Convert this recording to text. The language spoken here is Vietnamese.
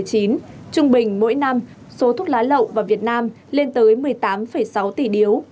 trung bình mỗi năm số thuốc lá lậu vào việt nam lên tới một mươi tám sáu tỷ điếu